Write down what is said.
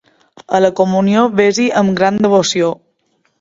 A la comunió vés-hi amb gran devoció.